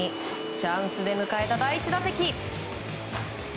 チャンスで迎えた第１打席。